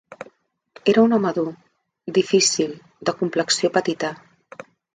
Era un home dur, difícil, de complexió petita.